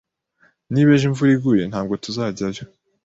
Niba ejo imvura iguye, ntabwo tuzajyayo.